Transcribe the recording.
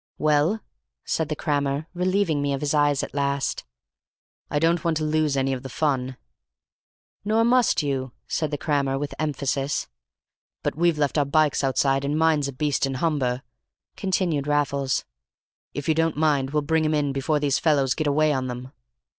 "Well?" said the crammer, relieving me of his eyes at last. "I don't want to lose any of the fun—" "Nor must you," said the crammer, with emphasis. "But we've left our bikes outside, and mine's a Beeston Humber," continued Raffles. "If you don't mind, we'll bring 'em in before these fellows get away on them."